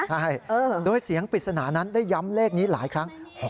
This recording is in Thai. ใช่โดยเสียงปริศนานั้นได้ย้ำเลขนี้หลายครั้ง